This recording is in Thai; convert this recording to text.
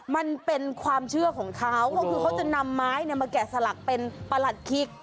มันเป็นความเชื่อของเขาก็คือเขาจะนำไม้มาแกะสลักเป็นประหลัดขิก